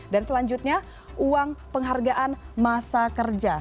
dan selanjutnya uang penghargaan masa kerja